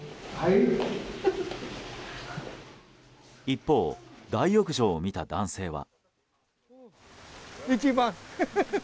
一方、大浴場を見た男性は。